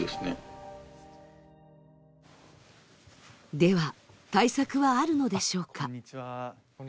では、対策はあるのでしょうか。